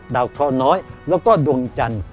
ดาวคลอน้อยและก็ดวงจันทร์